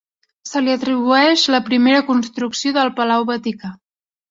Se li atribueix la primera construcció del Palau Vaticà.